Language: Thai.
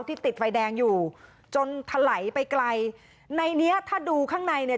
ติดไฟแดงอยู่จนถลายไปไกลในเนี้ยถ้าดูข้างในเนี่ย